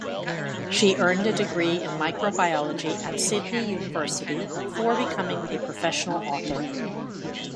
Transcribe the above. She earned a degree in microbiology at Sydney University before becoming a professional author.